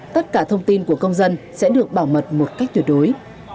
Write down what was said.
tất cả thông tin của công dân sẽ được bảo mật một cách tuyệt đối